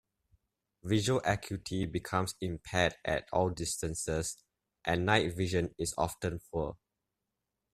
Visual acuity becomes impaired at all distances, and night vision is often poor.